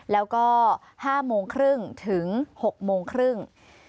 แล้วก็๕โมงครึ่งถึง๖โมงครึ่ง